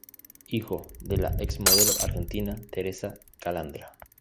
Hijo de la ex-Modelo argentina, Teresa Calandra.